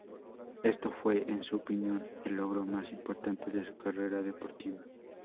Esto fue, en su opinión, el logro más importante de su carrera deportiva.